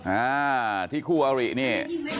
อ่าที่คู่อรินี่